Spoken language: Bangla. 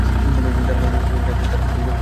যাতে তারা পৃথিবীতে বৃদ্ধিপ্রাপ্ত হয়।